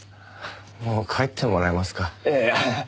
もう帰ってもらえますか。